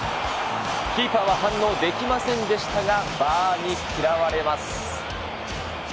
キーパーは反応できませんでしたが、バーに嫌われます。